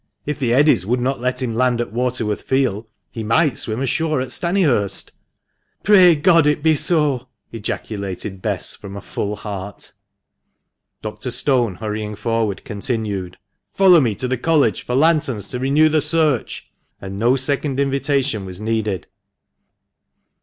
If the eddies would not let him land at Waterworth Field, he might swim ashore at Stannyhurst." "Pray God it be so!" ejaculated Bess, from a full heart. Dr. Stone, hurrying forward, continued —" Follow me to the College for lanterns to renew the search/' And no second invitation was needed.